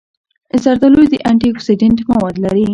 زردالو د انټي اکسېډنټ مواد لري.